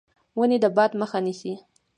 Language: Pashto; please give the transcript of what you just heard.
ونې د باد مخه نیسي.